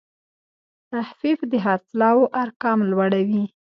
تخفیف د خرڅلاو ارقام لوړوي.